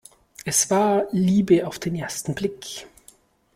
Es war Liebe auf den ersten Blick.